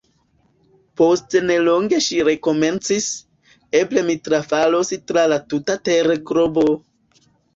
Post ne longe ŝi rekomencis: "Eble mi trafalos tra la tuta terglobo! »